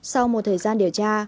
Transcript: sau một thời gian điều tra